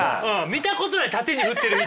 見たことない縦に振ってる人。